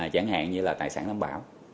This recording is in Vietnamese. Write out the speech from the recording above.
chẳng hạn như là tài sản đảm bảo